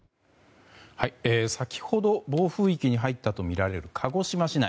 先ほど暴風域に入ったとみられる鹿児島市内。